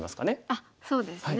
あっそうですね。